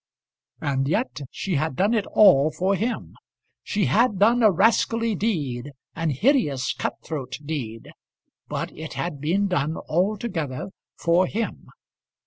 And yet she had done it all for him. She had done a rascally deed, an hideous cut throat deed, but it had been done altogether for him.